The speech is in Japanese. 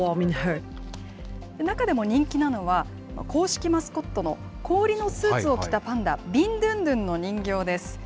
中でも人気なのは、公式マスコットの氷のスーツを着たパンダ、ビン・ドゥンドゥンの人形です。